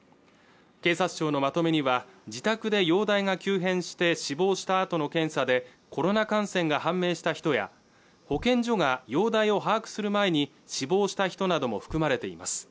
警察庁のまとめには自宅で容体が急変して死亡したあとの検査でコロナ感染が判明した人や保健所が容体を把握する前に死亡した人なども含まれています